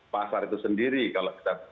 pasar itu sendiri kalau kita